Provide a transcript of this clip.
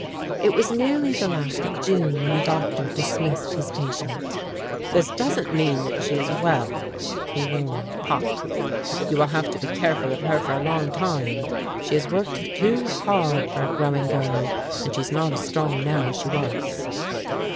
It was nearly the last of June when the doctor dismissed his patient. "This doesn't mean that she is well," he warned Pop. "You will have to be careful of her for a long time. She has worked too hard for a growing girl, and she's not as strong now as she was."